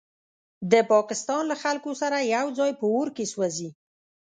د پاکستان له خلکو سره یوځای په اور کې سوځي.